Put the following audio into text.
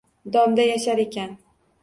Domda yashar ekan